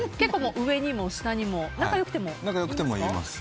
上にも下にも仲良くても言いますか？